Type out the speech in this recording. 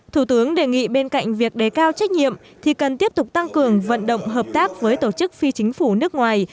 thủ tướng đề nghị bên cạnh việc đề cao trách nhiệm thì cần tiếp tục tăng cường vận động hợp tác với tổ chức phi chính phủ nước ngoài